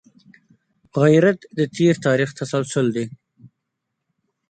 غیرت د تېر تاریخ تسلسل دی